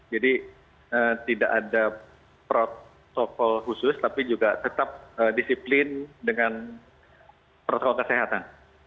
jadi tidak ada protokol khusus tapi juga tetap disiplin dengan protokol kesehatan